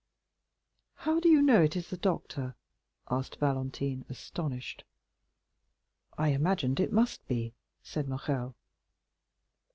"How do you know it is the doctor?" asked Valentine, astonished. "I imagined it must be," said Morrel.